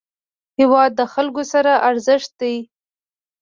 هېواد د خلکو ستر ارزښت دی.